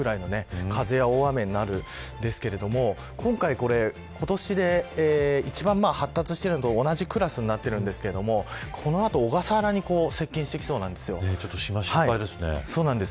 もし本州にやってきた場合は恐ろしいぐらいの風や大雨になるんですけれども今回、今年で一番発達しているのと同じクラスになっているんですがこの後、小笠原に接近してきそうです。